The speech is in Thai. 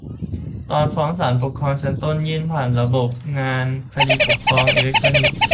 ตอนฟ้องศาลปกครองชั้นต้น ยื่นผ่านระบบงานคดีปกครองอิเล็กทรอนิกส์